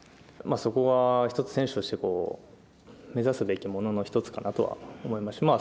そこが一つ選手としてこう目指すべきものの一つかなとは思いますし。